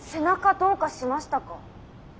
どうかしましたか？